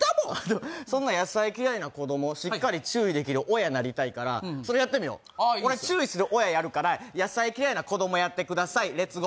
そんな野菜嫌いな子供をしっかり注意する親なりたいから、それやってみよう俺、注意する親やるから野菜嫌いな子供をやってください。